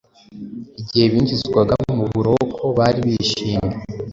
Igihe binjizwaga mu buroko bari bishimye,